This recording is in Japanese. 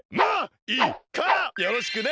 よろしくね。